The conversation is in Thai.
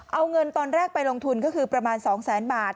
เอาเงินตอนแรกไปลงทุนก็คือประมาณ๒แสนบาท